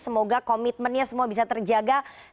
semoga komitmennya semua bisa terjaga